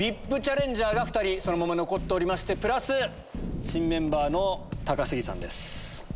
ＶＩＰチャレンジャーが２人そのまま残っておりましてプラス新メンバーの高杉さんです。